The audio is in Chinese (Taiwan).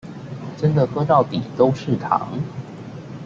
真的喝到底都是糖